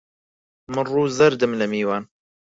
من ڕوو زەردم لە میوان